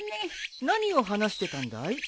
何を話してたんだい？